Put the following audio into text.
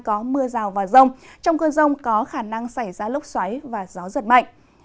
có mưa rào và rông trong cơn rông có khả năng xảy ra lốc xoáy và gió giật mạnh